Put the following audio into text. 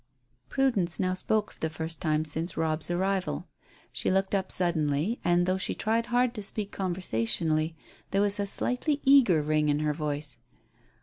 Prudence now spoke for the first time since Robb's arrival. She looked up suddenly, and, though she tried hard to speak conversationally, there was a slightly eager ring in her voice.